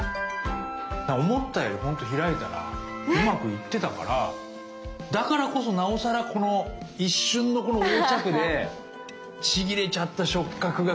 思ったよりほんと開いたらうまくいってたからだからこそなおさらこの一瞬のこの横着でちぎれちゃった触角が悔やまれますね。